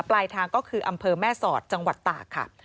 ปลายทางก็คืออำเภอแม่สอดจังหวัดตากค่ะ